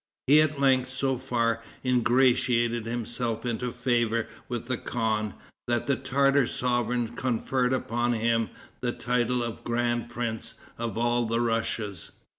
He at length so far ingratiated himself into favor with the khan, that the Tartar sovereign conferred upon him the title of Grand Prince of all the Russias.